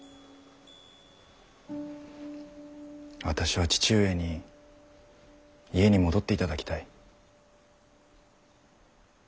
私は父上に家に戻っていただきたい。